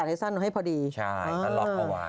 ปันสร้างยื่นเหรอละ